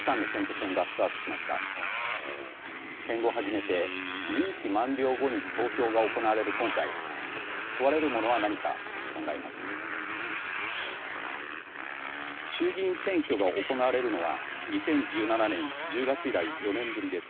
戦後初めて任期満了後に投票が行われる今回問われるものは何か考えます。